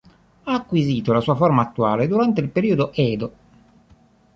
Ha acquisito la sua forma attuale durante il periodo Edo.